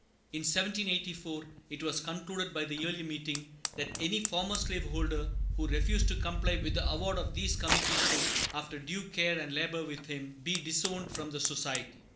In 1784 it was concluded by the Yearly Meeting that any former slave holder who refused to comply with the award of these committees should, after due care and labor with him, be disowned from the Society.